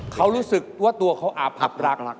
เขารู้สึกว่าตัวเขาอาพับรัก